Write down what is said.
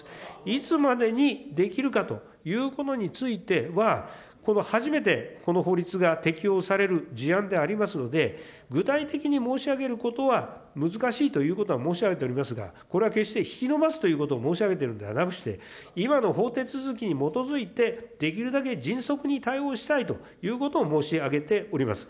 いつまでにできるかということについては、この初めて、この法律が適用される事案でありますので、具体的に申し上げることは難しいということは申し上げておりますが、これは決して引き延ばすということを申し上げているのでなくて、今の法手続きに基づいて、できるだけ迅速に対応したいということを申し上げております。